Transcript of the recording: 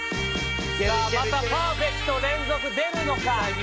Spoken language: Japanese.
またパーフェクト連続出るのか？